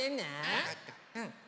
わかった。